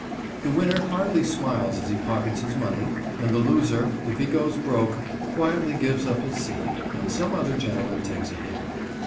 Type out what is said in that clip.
The winner hardly smiles as he pockets his money, and the loser, if he goes broke, quietly gives up his seat and some other gentleman takes a hand.